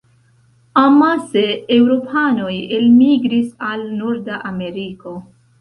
Amase eŭropanoj elmigris al norda Ameriko.